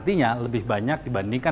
artinya lebih banyak dibandingkan